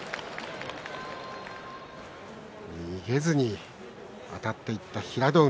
逃げずにあたっていった平戸海。